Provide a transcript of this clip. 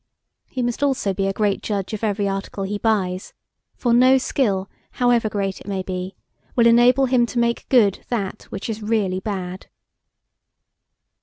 He must also be a judge of every article he buys; for no skill, however great it may be, will enable him to, make that good which is really bad.